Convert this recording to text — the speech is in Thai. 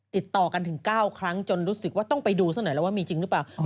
ติดต่อกันถึง๙ครั้งจนรู้สึกว่าต้องไปดูซะหน่อยแล้วว่ามีจริงหรือเปล่า